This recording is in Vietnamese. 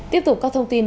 tiếp tục các thông tin